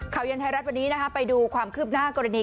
เย็นไทยรัฐวันนี้ไปดูความคืบหน้ากรณี